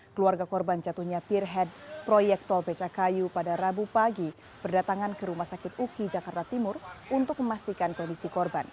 keluarga korban jatuhnya peer head proyek tol becakayu pada rabu pagi berdatangan ke rumah sakit uki jakarta timur untuk memastikan kondisi korban